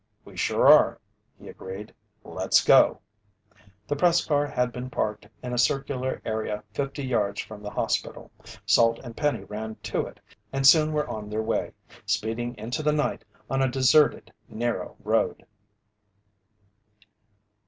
"We sure are," he agreed. "Let's go!" The press car had been parked in a circular area fifty yards from the hospital. Salt and Penny ran to it, and soon were on their way, speeding into the night on a deserted, narrow road.